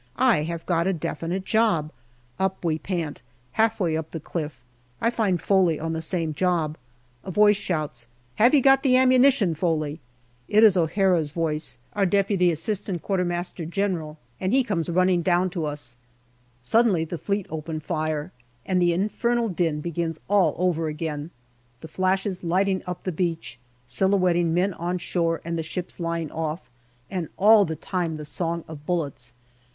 I have got a definite job. Up we pant ; half way up the cliff, I find Foley on the same job. A voice shouts, " Have you got the ammunition, Foley ?" It is O'Hara's voice, our D.A.Q.M.G., and he conies running down to us. Suddenly the Fleet open fire, and the infernal din begins all over again, the flashes lighting up the beach, silhouetting men on shore and ships lying off, and all the time the song of bullets.